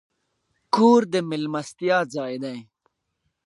کور د میلمستیا ځای دی.